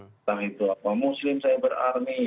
entah itu apa muslim cyber army